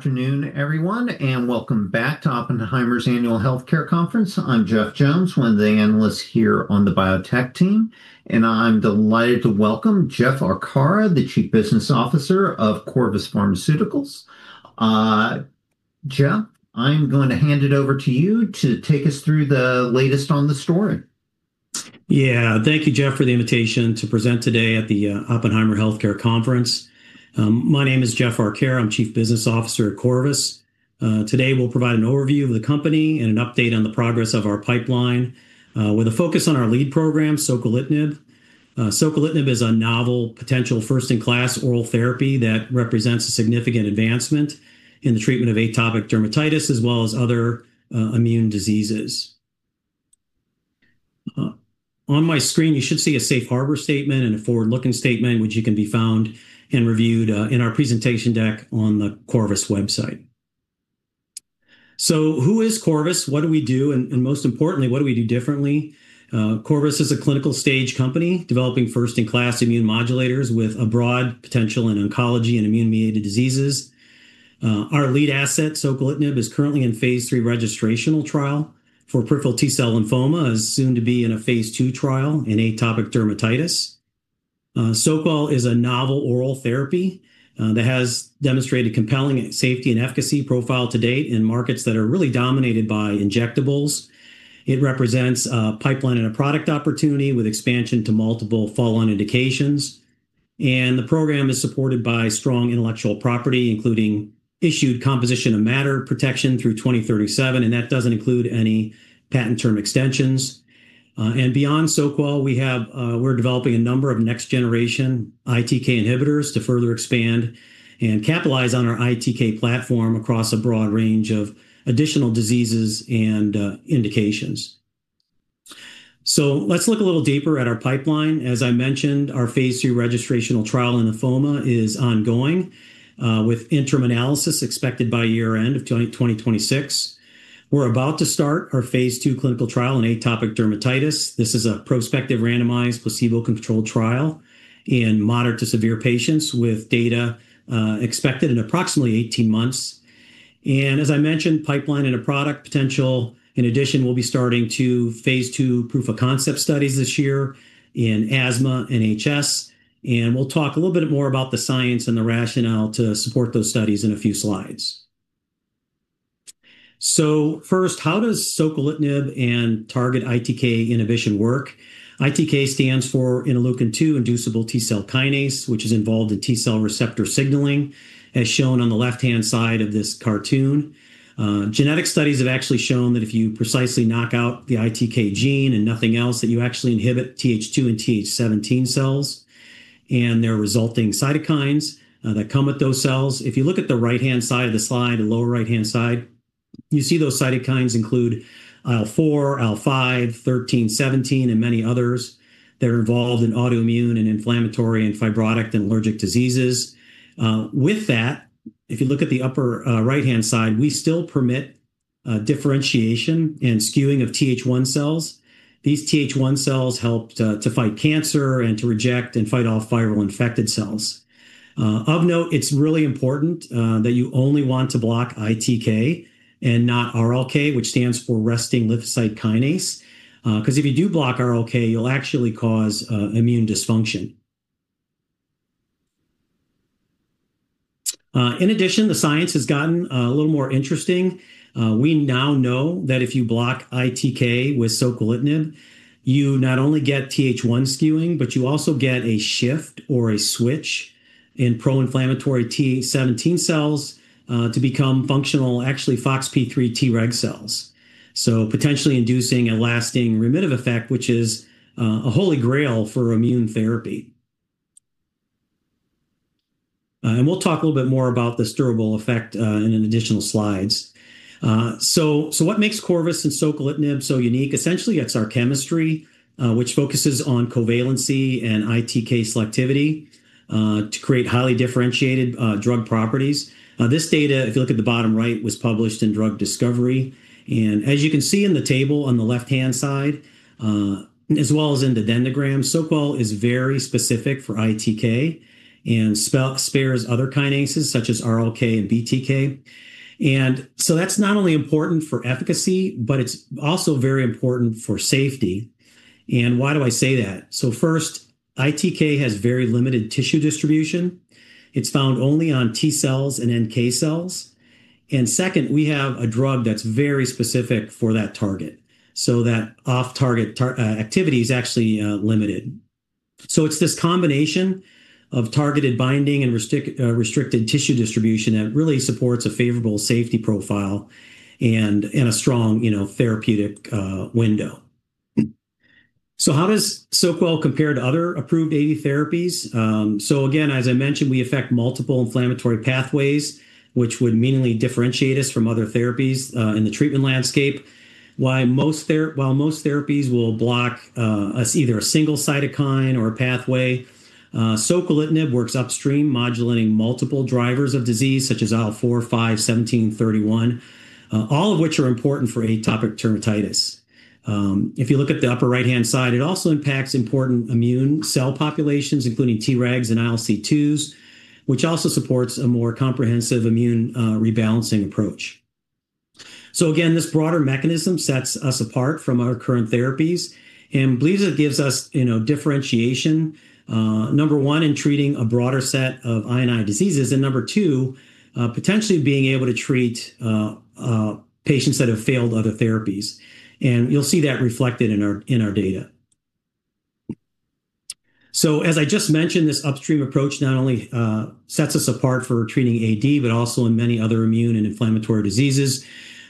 Afternoon, everyone. Welcome back to Oppenheimer's Annual Healthcare Conference. I'm Jeff Jones, one of the analysts here on the biotech team, and I'm delighted to welcome Jeff Arcara, the Chief Business Officer of Corvus Pharmaceuticals. Jeff, I'm going to hand it over to you to take us through the latest on the story. Thank you, Jeff, for the invitation to present today at the Oppenheimer Healthcare Conference. My name is Jeff Arcara. I'm Chief Business Officer at Corvus. Today, we'll provide an overview of the company and an update on the progress of our pipeline, with a focus on our lead program, soquelitinib. Soquelitinib is a novel potential first-in-class oral therapy that represents a significant advancement in the treatment of atopic dermatitis, as well as other immune diseases. On my screen, you should see a safe harbor statement and a forward-looking statement, which you can be found and reviewed in our presentation deck on the Corvus website. Who is Corvus? What do we do? And most importantly, what do we do differently? Corvus is a clinical-stage company, developing first-in-class immune modulators with a broad potential in oncology and immune-mediated diseases. Our lead asset, soquelitinib, is currently in phase III registrational trial for peripheral T-cell lymphoma, as soon to be in a phase II trial in atopic dermatitis. Soquelitinib is a novel oral therapy that has demonstrated compelling safety and efficacy profile to date in markets that are really dominated by injectables. It represents a pipeline and a product opportunity with expansion to multiple follow-on indications. The program is supported by strong intellectual property, including issued composition of matter protection through 2037, and that doesn't include any patent term extensions. Beyond soquelitinib, we have, we're developing a number of next-generation ITK inhibitors to further expand and capitalize on our ITK platform across a broad range of additional diseases and indications. Let's look a little deeper at our pipeline. As I mentioned, our phase II registrational trial in lymphoma is ongoing, with interim analysis expected by year-end 2026. We're about to start our phase II clinical trial in atopic dermatitis. This is a prospective, randomized, placebo-controlled trial in moderate to severe patients with data expected in approximately 18 months. As I mentioned, pipeline and a product potential. In addition, we'll be starting 2 phase II proof-of-concept studies this year in asthma and HS, and we'll talk a little bit more about the science and the rationale to support those studies in a few slides. First, how does soquelitinib and target ITK inhibition work? ITK stands for interleukin-2-inducible T-cell kinase, which is involved in T-cell receptor signaling, as shown on the left-hand side of this cartoon. Genetic studies have actually shown that if you precisely knock out the ITK gene and nothing else, that you actually inhibit Th2 and Th17 cells, and there are resulting cytokines that come with those cells. If you look at the right-hand side of the slide, the lower right-hand side, you see those cytokines include IL-4, IL-5, IL-13, IL-17, and many others that are involved in autoimmune and inflammatory and fibrotic and allergic diseases. With that, if you look at the upper, right-hand side, we still permit differentiation and skewing of Th1 cells. These Th1 cells help to fight cancer and to reject and fight off viral-infected cells. Of note, it's really important that you only want to block ITK and not RLK, which stands for resting lymphocyte kinase, 'cause if you do block RLK, you'll actually cause immune dysfunction. In addition, the science has gotten a little more interesting. We now know that if you block ITK with soquelitinib, you not only get Th1 skewing, but you also get a shift or a switch in pro-inflammatory Th17 cells to become functional, actually, Foxp3 Treg cells. Potentially inducing a lasting remittive effect, which is a holy grail for immune therapy. And we'll talk a little bit more about this durable effect in an additional slides. What makes Corvus and soquelitinib so unique? Essentially, it's our chemistry, which focuses on covalency and ITK selectivity to create highly differentiated drug properties. This data, if you look at the bottom right, was published in Drug Discovery, and as you can see in the table on the left-hand side, as well as in the dendrogram, so-called, is very specific for ITK and spares other kinases, such as RLK and BTK. That's not only important for efficacy, but it's also very important for safety. Why do I say that? First, ITK has very limited tissue distribution. It's found only on T-cells and NK cells. Second, we have a drug that's very specific for that target, so that off-target activity is actually limited. It's this combination of targeted binding and restricted tissue distribution that really supports a favourable safety profile and a strong, you know, therapeutic window. How does soquelitinib compare to other approved AD therapies? Again, as I mentioned, we affect multiple inflammatory pathways, which would meaningfully differentiate us from other therapies in the treatment landscape. While most therapies will block either a single cytokine or a pathway, soquelitinib works upstream, modulating multiple drivers of disease, such as IL-4, IL-5, IL-17, IL-31, all of which are important for atopic dermatitis. If you look at the upper right-hand side, it also impacts important immune cell populations, including Tregs and ILC2s, which also supports a more comprehensive immune rebalancing approach. Again, this broader mechanism sets us apart from our current therapies, and believes it gives us, you know, differentiation, number one, in treating a broader set of I&I diseases, and number two, potentially being able to treat patients that have failed other therapies. You'll see that reflected in our, in our data. As I just mentioned, this upstream approach not only sets us apart for treating AD, but also in many other immune and inflammatory diseases.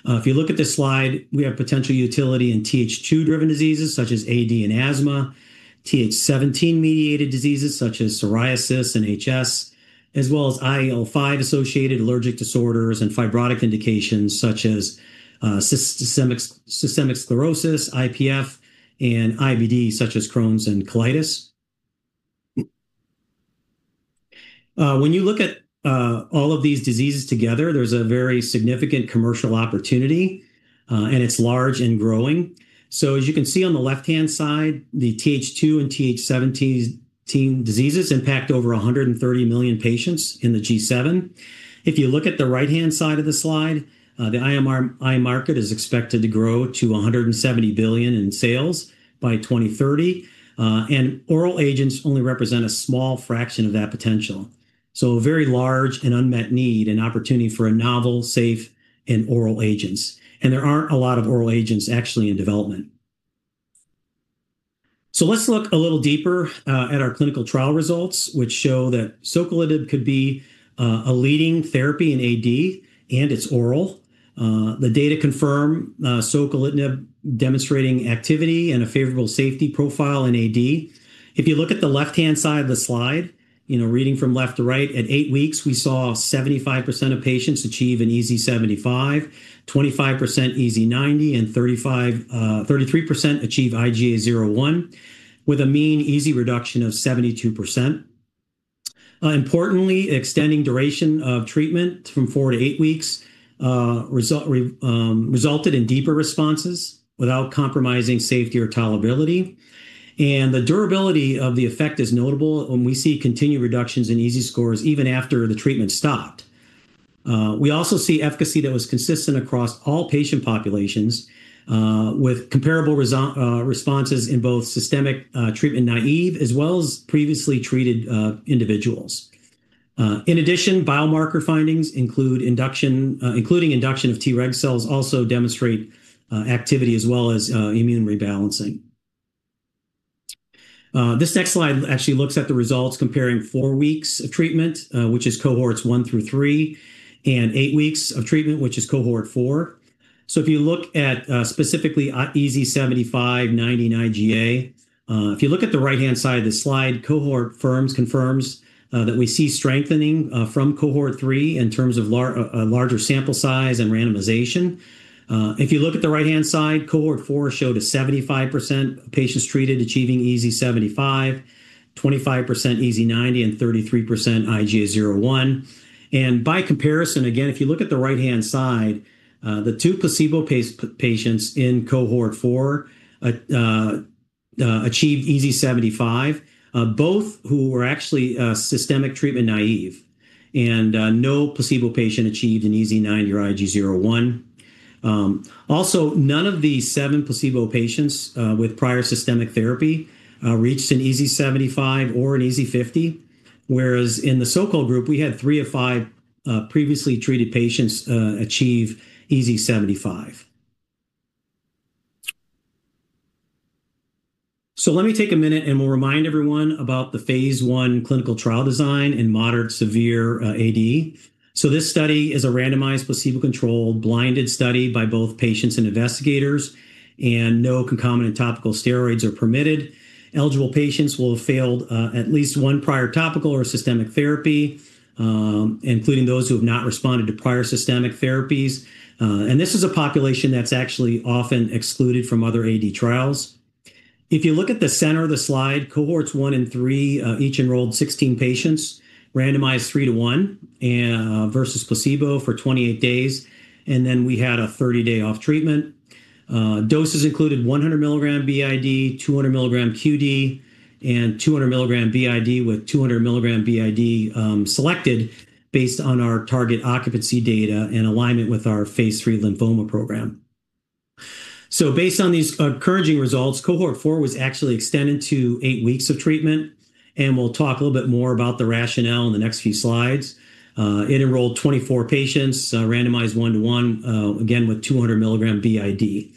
If you look at this slide, we have potential utility in Th2-driven diseases such as AD and asthma, Th17-mediated diseases such as psoriasis and HS, as well as IL-5-associated allergic disorders and fibrotic indications such as systemic sclerosis, IPF and IBD, such as Crohn's and colitis. When you look at all of these diseases together, there's a very significant commercial opportunity, and it's large and growing. As you can see on the left-hand side, the Th2 and Th17 team diseases impact over 130 million patients in the G7. If you look at the right-hand side of the slide, the IM market is expected to grow to $170 billion in sales by 2030, and oral agents only represent a small fraction of that potential. A very large and unmet need and opportunity for a novel, safe and oral agents. There aren't a lot of oral agents actually in development. Let's look a little deeper at our clinical trial results, which show that soquelitinib could be a leading therapy in AD, and it's oral. The data confirm soquelitinib demonstrating activity and a favorable safety profile in AD. If you look at the left-hand side of the slide, you know, reading from left to right, at eight weeks, we saw 75% of patients achieve an EASI-75, 25% EASI-90, and 33% achieve IGA 0/1, with a mean EASI reduction of 72%. Importantly, extending duration of treatment from four to eight weeks resulted in deeper responses without compromising safety or tolerability. The durability of the effect is notable when we see continued reductions in EASI scores even after the treatment stopped. We also see efficacy that was consistent across all patient populations with comparable responses in both systemic, treatment-naive, as well as previously treated individuals. In addition, biomarker findings include induction, including induction of Treg cells, also demonstrate activity as well as immune rebalancing. This next slide actually looks at the results comparing four weeks of treatment, which is cohorts 1 through 3, and eight weeks of treatment, which is Cohort 4. If you look at specifically at EASI-75, EASI-90, IGA 0/1, if you look at the right-hand side of the slide, cohort confirms that we see strengthening from Cohort 3 in terms of a larger sample size and randomization. If you look at the right-hand side, Cohort 4 showed a 75% of patients treated achieving EASI-75, 25% EASI-90, and 33% IGA 0/1. By comparison, again, if you look at the right-hand side, the two placebo patients in Cohort 4 achieved EASI-75, both who were actually systemic treatment-naive, and no placebo patient achieved an EASI-90 or IGA 0/1. Also, none of the seven placebo patients with prior systemic therapy reached an EASI-75 or an EASI-50, whereas in the so-called group, we had three of five previously treated patients achieve EASI-75. Let me take a minute, and we'll remind everyone about the phase I clinical trial design in moderate severe AD. This study is a randomized, placebo-controlled, blinded study by both patients and investigators, and no concomitant topical steroids are permitted. Eligible patients will have failed at least one prior topical or systemic therapy, including those who have not responded to prior systemic therapies. This is a population that's actually often excluded from other AD trials. If you look at the center of the slide, Cohorts 1 and 3 each enrolled 16 patients, randomized 3 to 1 versus placebo for 28 days, and then we had a 30-day off treatment. Doses included 100 milligram BID, 200 milligram QD, and 200 milligram BID, with 200 milligram BID selected based on our target occupancy data in alignment with our phase III lymphoma program. Based on these encouraging results, Cohort 4 was actually extended to eight weeks of treatment, and we'll talk a little bit more about the rationale in the next few slides. It enrolled 24 patients, randomized 1 to 1, again, with 200 milligram BID.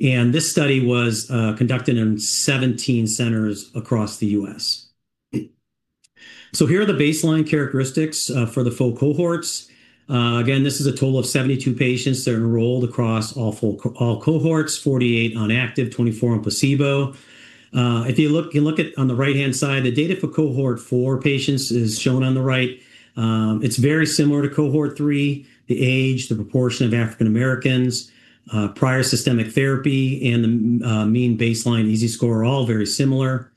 This study was conducted in 17 centers across the US. Here are the baseline characteristics for the full cohorts. Again, this is a total of 72 patients that are enrolled across all full, all cohorts, 48 on active, 24 on placebo. If you look at on the right-hand side, the data for Cohort 4 patients is shown on the right. It's very similar to Cohort 3. The age, the proportion of African Americans, prior systemic therapy, and the mean baseline EASI score are all very similar.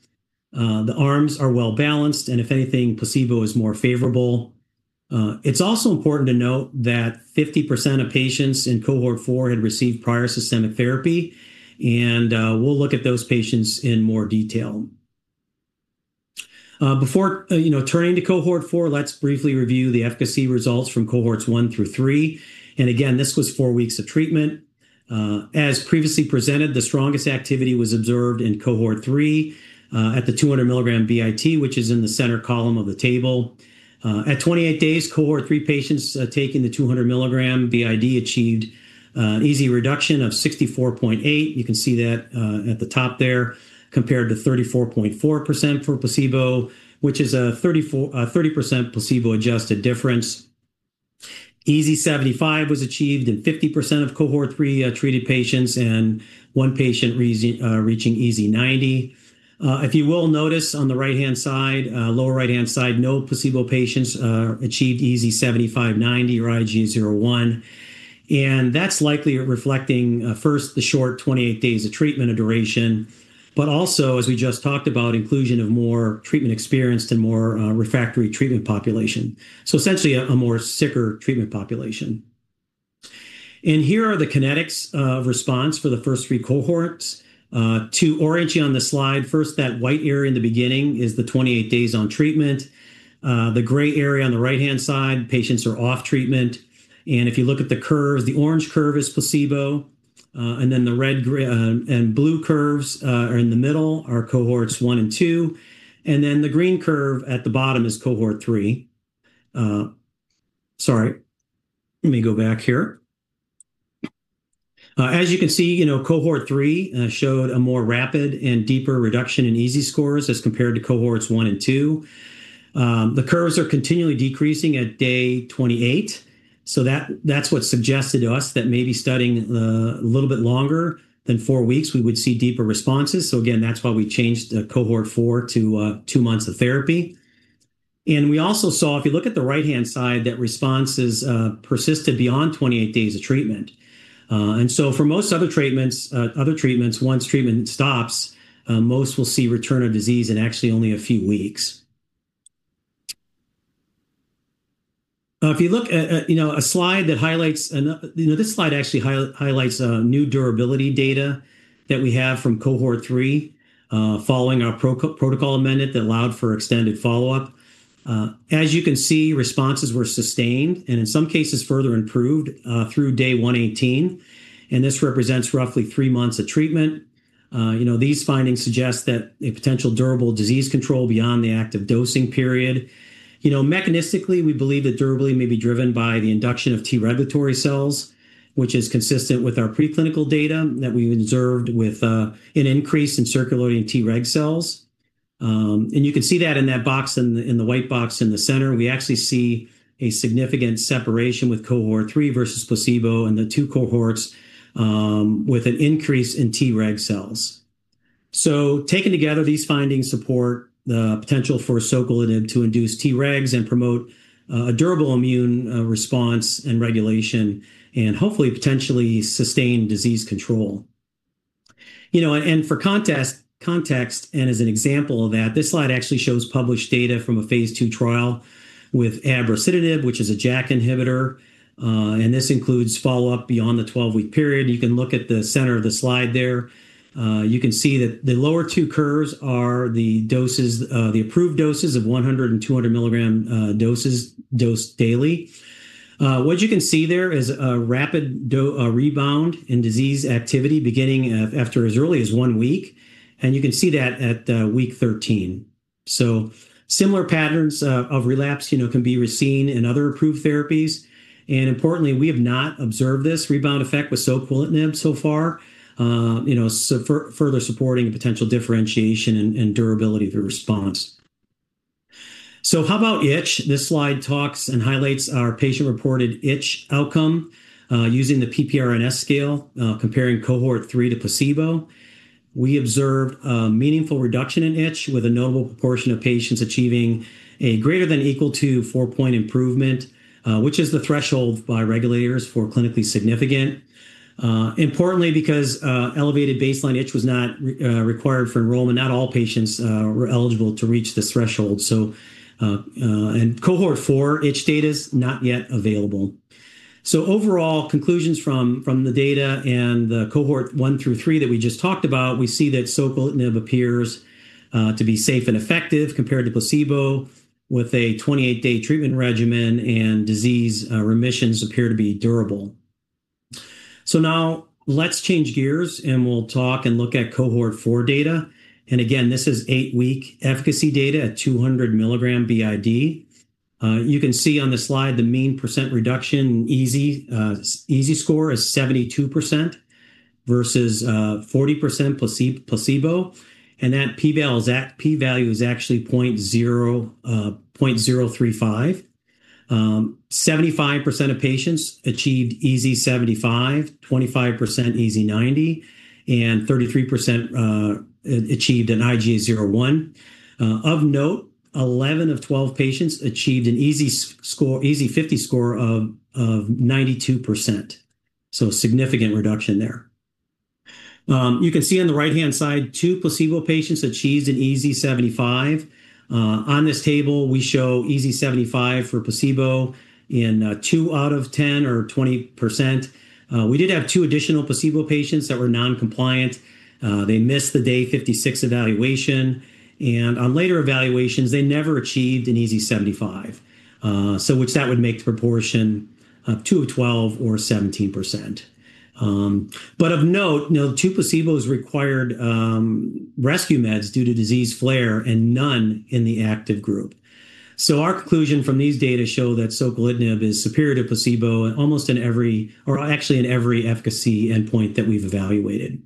The arms are well-balanced, and if anything, placebo is more favorable. It's also important to note that 50% of patients in Cohort 4 had received prior systemic therapy, and we'll look at those patients in more detail. Before, you know, turning to Cohort 4, let's briefly review the efficacy results from cohorts 1 through 3, and again, this was 4 weeks of treatment. As previously presented, the strongest activity was observed in Cohort 3, at the 200 milligram BID, which is in the center column of the table. At 28 days, Cohort 3 patients taking the 200 milligram BID achieved EASI reduction of 64.8%. You can see that at the top there, compared to 34.4% for placebo, which is a 30% placebo adjusted difference. EASI-75 was achieved in 50% of Cohort 3 treated patients, one patient reaching EASI-90. If you will notice on the right-hand side, lower right-hand side, no placebo patients achieved EASI-75, -90, or IGA 0/1, that's likely reflecting, first, the short 28 days of treatment duration, but also, as we just talked about, inclusion of more treatment experienced and more refractory treatment population. Essentially a more sicker treatment population. Here are the kinetics of response for the first three cohorts. To orient you on the slide, first, that white area in the beginning is the 28 days on treatment. The gray area on the right-hand side, patients are off treatment, and if you look at the curves, the orange curve is placebo, and then the red gray, and blue curves, are in the middle, are Cohorts 1 and 2, and then the green curve at the bottom is Cohort 3. Sorry, let me go back here. As you can see, you know, Cohort 3, showed a more rapid and deeper reduction in EASI scores as compared to Cohorts 1 and 2. The curves are continually decreasing at day 28, so that's what suggested to us that maybe studying a little bit longer than 4 weeks, we would see deeper responses. Again, that's why we changed the Cohort 4 to two months of therapy. We also saw, if you look at the right-hand side, that responses persisted beyond 28 days of treatment. For most other treatments, once treatment stops, most will see return of disease in actually only a few weeks. If you look at, you know, a slide that highlights, you know, this slide actually highlights new durability data that we have from Cohort 3 following our protocol amendment that allowed for extended follow-up. As you can see, responses were sustained and in some cases, further improved through day 118, and this represents roughly three months of treatment. You know, these findings suggest that a potential durable disease control beyond the active dosing period. You know, mechanistically, we believe that durability may be driven by the induction of T regulatory cells, which is consistent with our preclinical data that we observed with an increase in circulating Treg cells. You can see that in that box, in the, in the white box in the center, we actually see a significant separation with Cohort 3 versus placebo, and the two cohorts with an increase in Treg cells. Taken together, these findings support the potential for soquelitinib to induce Tregs and promote a durable immune response and regulation, and hopefully potentially sustain disease control. You know, and for context, and as an example of that, this slide actually shows published data from a phase II trial with abrocitinib, which is a JAK inhibitor, and this includes follow-up beyond the 12-week period. You can look at the center of the slide there. You can see that the lower two curves are the doses, the approved doses of 100 and 200 milligram doses, dosed daily. What you can see there is a rapid rebound in disease activity beginning after as early as one week, and you can see that at week 13. Similar patterns of relapse, you know, can be seen in other approved therapies, and importantly, we have not observed this rebound effect with soquelitinib so far, you know, further supporting potential differentiation and durability of the response. How about itch? This slide talks and highlights our patient-reported itch outcome, using the PP-NRS scale, comparing Cohort 3 to placebo. We observed a meaningful reduction in itch with a notable proportion of patients achieving a ≥4-point improvement, which is the threshold by regulators for clinically significant. Importantly, because elevated baseline itch was not required for enrollment, not all patients were eligible to reach this threshold. Cohort 4 itch data is not yet available. Overall, conclusions from the data and the Cohort 1 through 3 that we just talked about, we see that soquelitinib appears to be safe and effective compared to placebo, with a 28-day treatment regimen, and disease remissions appear to be durable. Now let's change gears, and we'll talk and look at Cohort 4 data. Again, this is eight-week efficacy data at 200 milligram BID. You can see on the slide the mean percent reduction in EASI score is 72% versus 40% placebo. That p-value is actually 0.035. 75% of patients achieved EASI-75, 25% EASI-90, and 33% achieved an IGA 0/1. Of note, 11 of 12 patients achieved an EASI score, EASI-50 score of 92%, so significant reduction there. You can see on the right-hand side, 2 placebo patients achieved an EASI-75. On this table, we show EASI-75 for placebo in 2 out of 10 or 20%. We did have two additional placebo patients that were non-compliant. They missed the day 56 evaluation, and on later evaluations, they never achieved an EASI-75, which that would make the proportion of 2 of 12 or 17%. Of note, you know, two placebos required rescue meds due to disease flare and none in the active group. Our conclusion from these data show that soquelitinib is superior to placebo in almost in every or actually in every efficacy endpoint that we've evaluated.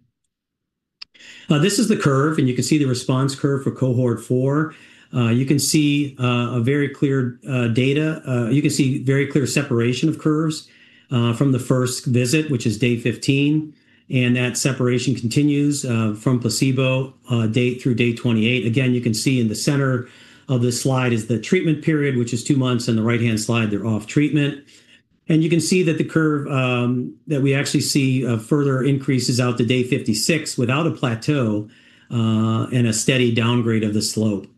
This is the curve, you can see the response curve for Cohort 4. You can see a very clear separation of curves from the 1st visit, which is day 15, that separation continues from placebo day through day 28. You can see in the center of this slide is the treatment period, which is two months, in the right-hand slide, they're off treatment. You can see that the curve that we actually see further increases out to day 56 without a plateau and a steady downgrade of the slope.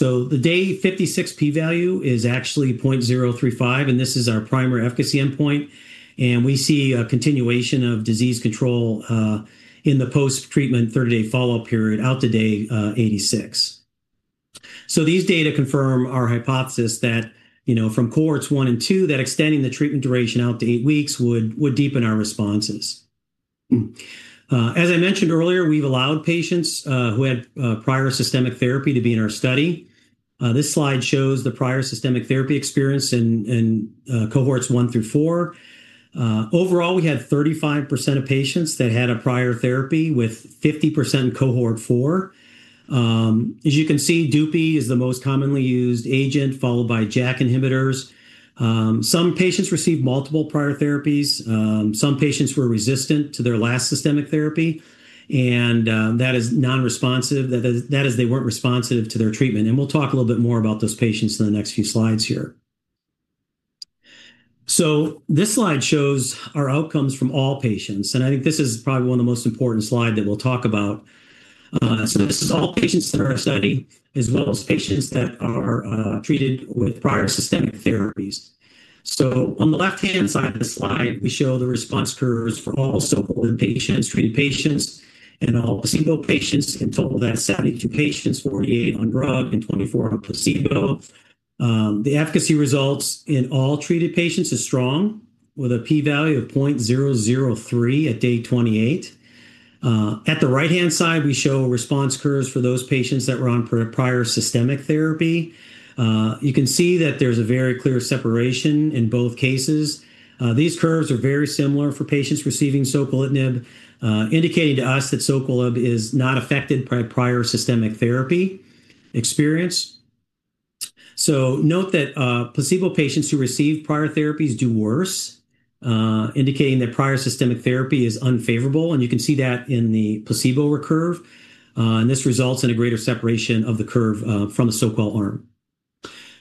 The day 56 p-value is actually 0.035, and this is our primary efficacy endpoint, and we see a continuation of disease control in the post-treatment 30-day follow-up period out to day 86. These data confirm our hypothesis that, you know, from cohorts 1 and 2, that extending the treatment duration out to eight weeks would deepen our responses. As I mentioned earlier, we've allowed patients who had prior systemic therapy to be in our study. This slide shows the prior systemic therapy experience in cohorts 1 through 4. Overall, we had 35% of patients that had a prior therapy, with 50% in Cohort 4. As you can see, DUPI is the most commonly used agent, followed by JAK inhibitors. Some patients received multiple prior therapies, some patients were resistant to their last systemic therapy, that is non-responsive. That is they weren't responsive to their treatment, we'll talk a little bit more about those patients in the next few slides here. This slide shows our outcomes from all patients, and I think this is probably one of the most important slide that we'll talk about. This is all patients that are studying, as well as patients that are treated with prior systemic therapies. On the left-hand side of the slide, we show the response curves for all soquelitinib patients, treated patients, and all placebo patients. In total, that's 72 patients, 48 on drug and 24 on placebo. The efficacy results in all treated patients is strong, with a p-value of 0.003 at day 28. At the right-hand side, we show response curves for those patients that were on prior systemic therapy. You can see that there's a very clear separation in both cases. These curves are very similar for patients receiving soquelitinib, indicating to us that soquelitinib is not affected by prior systemic therapy experience. Note that placebo patients who receive prior therapies do worse, indicating that prior systemic therapy is unfavorable, and you can see that in the placebo recurve. This results in a greater separation of the curve from the soquel arm.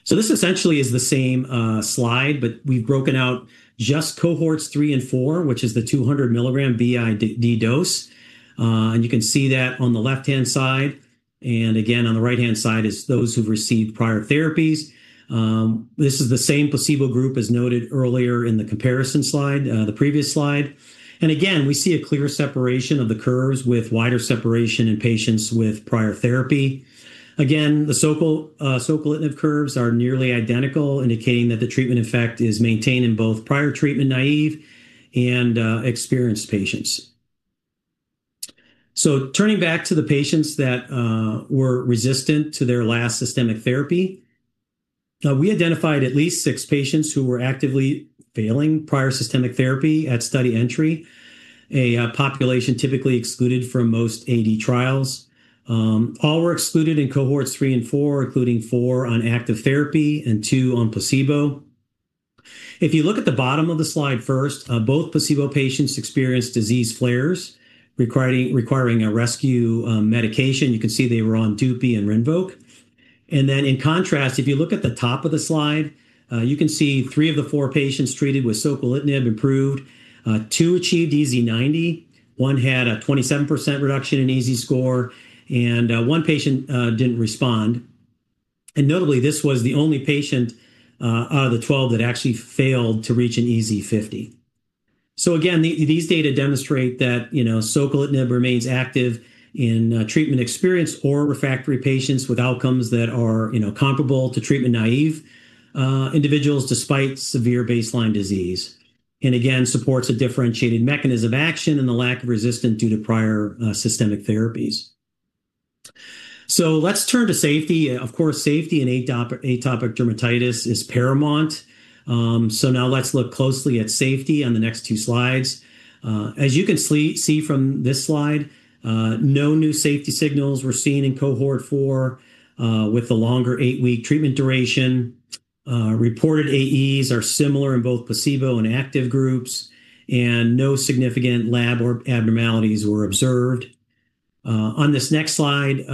This essentially is the same slide, but we've broken out just cohorts 3 and 4, which is the 200 milligram BID dose. You can see that on the left-hand side, again, on the right-hand side is those who've received prior therapies. This is the same placebo group as noted earlier in the comparison slide, the previous slide. Again, we see a clear separation of the curves with wider separation in patients with prior therapy. Again, the soquel, soquelitinib curves are nearly identical, indicating that the treatment effect is maintained in both prior treatment, naive and experienced patients. Turning back to the patients that were resistant to their last systemic therapy, we identified at least 6 patients who were actively failing prior systemic therapy at study entry, a population typically excluded from most AD trials. All were excluded in cohorts 3 and 4, including 4 on active therapy and 2 on placebo. If you look at the bottom of the slide first, both placebo patients experienced disease flares, requiring a rescue medication. You can see they were on DUPI and Rinvoq. In contrast, if you look at the top of the slide, you can see 3 of the 4 patients treated with soquelitinib improved. Two achieved EASI 90, one had a 27% reduction in EASI score, and one patient didn't respond. Notably, this was the only patient out of the 12 that actually failed to reach an EASI-50. Again, these data demonstrate that, you know, soquelitinib remains active in treatment experienced or refractory patients with outcomes that are, you know, comparable to treatment-naive individuals, despite severe baseline disease. Again, supports a differentiated mechanism action and the lack of resistance due to prior systemic therapies. Let's turn to safety. Of course, safety in atopic dermatitis is paramount. Now let's look closely at safety on the next two slides. As you can see from this slide, no new safety signals were seen in Cohort 4 with the longer eight-week treatment duration. Reported AEs are similar in both placebo and active groups, and no significant lab or abnormalities were observed. On this next slide,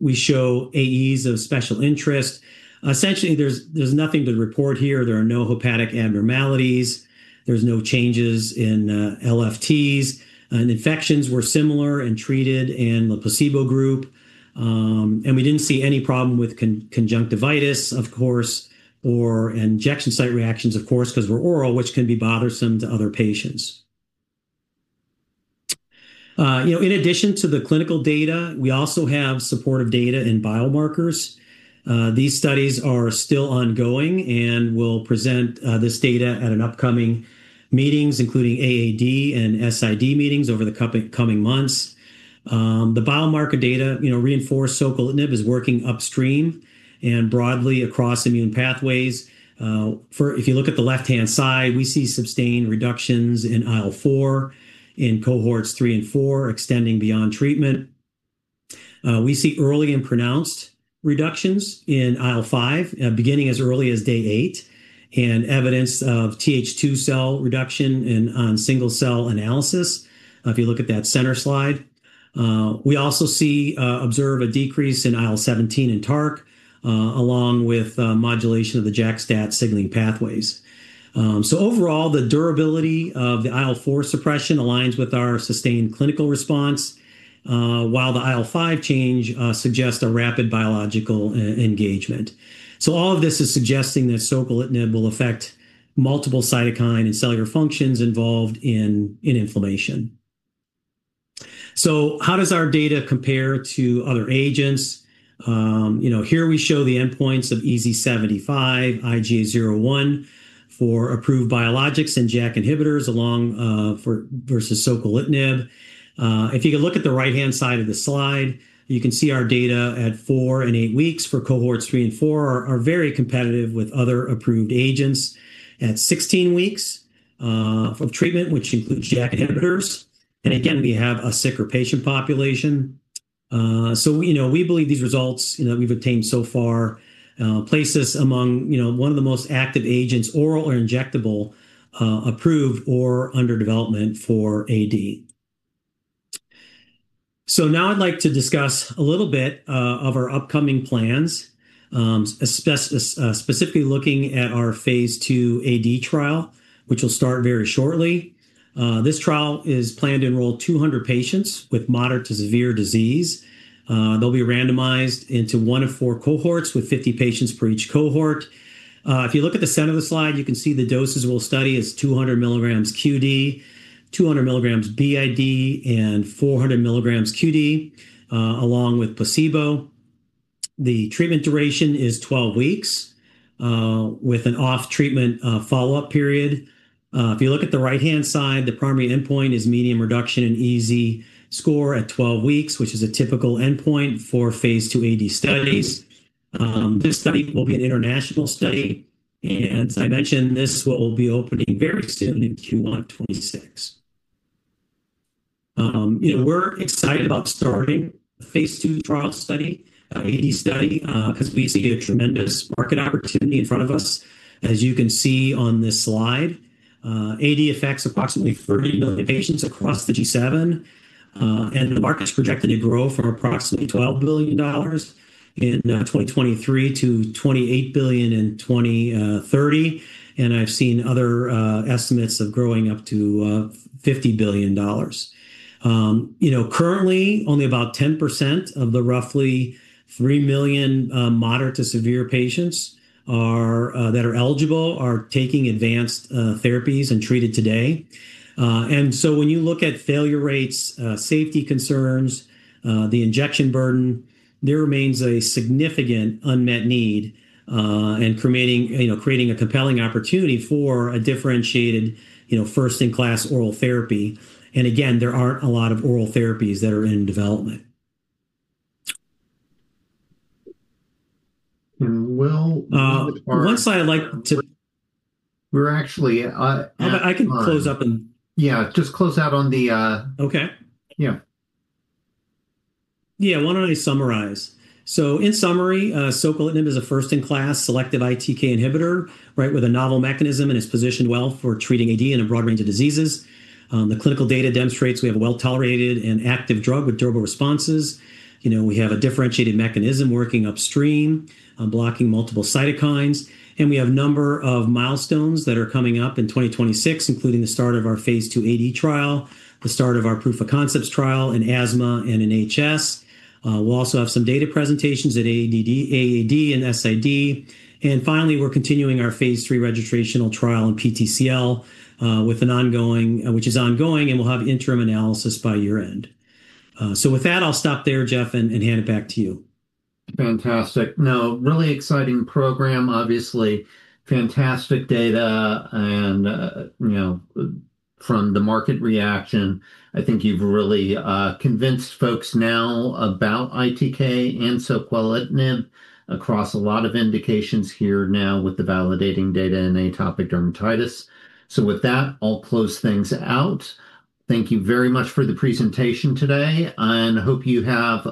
we show AEs of special interest. Essentially, there's nothing to report here. There are no hepatic abnormalities, there's no changes in LFTs, infections were similar and treated in the placebo group. We didn't see any problem with conjunctivitis, of course, or injection site reactions, of course, because we're oral, which can be bothersome to other patients. You know, in addition to the clinical data, we also have supportive data and biomarkers. These studies are still ongoing, we'll present this data at an upcoming meetings, including AAD and SID meetings over the coming months. The biomarker data, you know, reinforce soquelitinib is working upstream and broadly across immune pathways. If you look at the left-hand side, we see sustained reductions in IL-4 in cohorts 3 and 4, extending beyond treatment. We see early and pronounced reductions in IL-5, beginning as early as day eight, and evidence of Th2 cell reduction on single-cell analysis, if you look at that center slide. We also observe a decrease in IL-17 and TARC, along with modulation of the JAK-STAT signaling pathways. Overall, the durability of the IL-4 suppression aligns with our sustained clinical response, while the IL-5 change suggests a rapid biological engagement. All of this is suggesting that soquelitinib will affect multiple cytokine and cellular functions involved in inflammation. How does our data compare to other agents? You know, here we show the endpoints of EASI-75, IGA 0/1 for approved biologics and JAK inhibitors along for versus soquelitinib. If you can look at the right-hand side of the slide, you can see our data at 4 and eight weeks for cohort three and four are very competitive with other approved agents. At 16 weeks of treatment, which includes JAK inhibitors, again, we have a sicker patient population. You know, we believe these results, you know, we've obtained so far, place us among, you know, one of the most active agents, oral or injectable, approved or under development for AD. Now I'd like to discuss a little bit of our upcoming plans, specifically looking at our phase II AD trial, which will start very shortly. This trial is planned to enroll 200 patients with moderate to severe disease. They'll be randomized into 1 of 4 cohorts, with 50 patients per each cohort. If you look at the center of the slide, you can see the doses we'll study is 200 milligrams QD, 200 milligrams BID, and 400 milligrams QD, along with placebo. The treatment duration is 12 weeks, with an off treatment, follow-up period. If you look at the right-hand side, the primary endpoint is medium reduction in EASI score at 12 weeks, which is a typical endpoint for phase II AD studies. This study will be an international study, and as I mentioned, this will be opening very soon in Q1 2026. You know, we're excited about starting the phase II trial study, AD study, because we see a tremendous market opportunity in front of us. As you can see on this slide, AD affects approximately 30 million patients across the G7, and the market is projected to grow from approximately $12 billion in 2023 to $28 billion in 2030, and I've seen other estimates of growing up to $50 billion. You know, currently, only about 10% of the roughly 3 million moderate to severe patients that are eligible are taking advanced therapies and treated today. When you look at failure rates, safety concerns, the injection burden, there remains a significant unmet need, creating, you know, a compelling opportunity for a differentiated, you know, first-in-class oral therapy. Again, there aren't a lot of oral therapies that are in development. Well. One slide I'd like. We're actually. I can close up. Yeah, just close out on the. Okay. Yeah. Why don't I summarize? In summary, soquelitinib is a first-in-class selected ITK inhibitor, right, with a novel mechanism and is positioned well for treating AD in a broad range of diseases. The clinical data demonstrates we have a well-tolerated and active drug with durable responses. You know, we have a differentiated mechanism working upstream on blocking multiple cytokines, and we have a number of milestones that are coming up in 2026, including the start of our phase II AD trial, the start of our proof of concepts trial in asthma and in HS. We'll also have some data presentations at AAD and SID. Finally, we're continuing our phase III registrational trial in PTCL, with an ongoing, which is ongoing, and we'll have interim analysis by year-end. With that, I'll stop there, Jeff, and hand it back to you. Fantastic. Really exciting program, obviously fantastic data, and, you know, from the market reaction, I think you've really, convinced folks now about ITK and soquelitinib across a lot of indications here now with the validating data in atopic dermatitis. With that, I'll close things out. Thank you very much for the presentation today, and hope you have,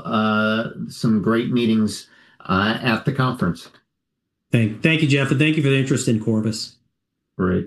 some great meetings, at the conference. Thank you, Jeff, and thank you for the interest in Corvus. Great.